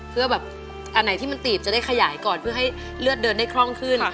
เพื่อแบบอันไหนที่มันตีบจะได้ขยายก่อนเพื่อให้เลือดเดินได้คล่องขึ้น